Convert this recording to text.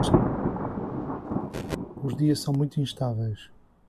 Os dias são muito instáveis